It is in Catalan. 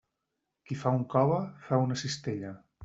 Qui fa un cove, fa una cistella.